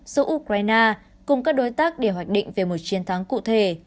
giữa ukraine cùng các đối tác để hoạch định về một chiến thắng cụ thể